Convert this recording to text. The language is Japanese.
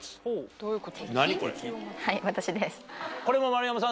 どういうこと？